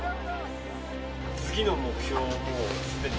次の目標はもうすでに？